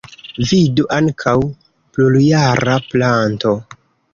Vidu ankaŭ: plurjara planto.